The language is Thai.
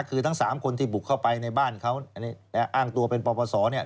คือทั้งสามคนที่บุกเข้าไปในบ้านเขาอ้างตัวเป็นปปศเนี่ย